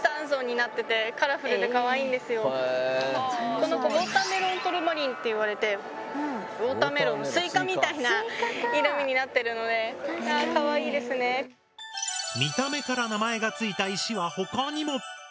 この子ウォーターメロントルマリンって言われてウォーターメロンスイカみたいな色味になってるのでああかわいいですね。は他にも。